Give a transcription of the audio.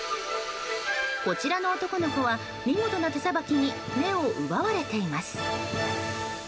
こちらの男の子は見事な手さばきに目を奪われています。